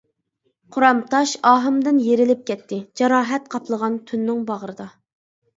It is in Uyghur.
قۇرام تاش ئاھىمدىن يېرىلىپ كەتتى، جاراھەت قاپلىغان تۈننىڭ باغرىدا.